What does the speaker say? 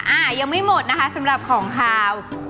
อ่ายังไม่หมดนะคะสำหรับของขาว